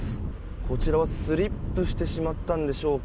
こちらはスリップしてしまったのでしょうか。